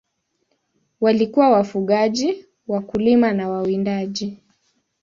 Walikuwa wafugaji, wakulima na wawindaji.